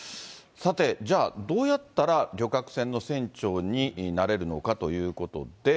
さて、じゃあどうやったら旅客船の船長になれるのかということで。